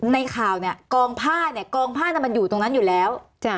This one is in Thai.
ในข่าวเนี่ยกองผ้าเนี่ยกองผ้ามันอยู่ตรงนั้นอยู่แล้ว